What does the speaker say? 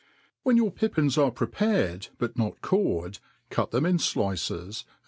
WHEN your pippins are prepared, but not cored, cut them in dices, and t.